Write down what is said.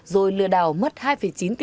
rồi lừa đảo mất hai chín tỷ đồng của chị này